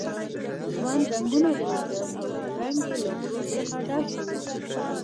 ژوند رنګونه درلودل او هر رنګ یې له غرور څخه ډک وو.